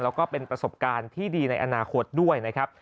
แล้วก็เป็นประสบการณ์ที่ดีในอนาคตด้วยนะครับ